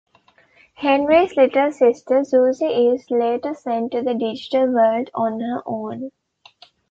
Henry's little sister Suzie is later sent to the Digital World on her own.